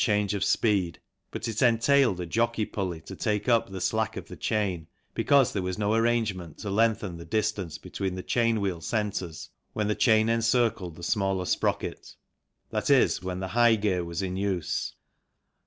19 THE LINLEY AND BIGGS TWOSPEED GEAR 60 THE CYCLE INDUSTRY of speed but it entailed a jockey pulley to take up the slack of the chain because there was no arrangement to lengthen the distance between the chain wheel centres when the chain encircled the smaller sprocket, i.e. when the high gear was in use.